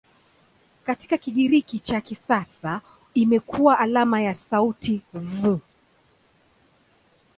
Katika Kigiriki cha kisasa imekuwa alama ya sauti "V".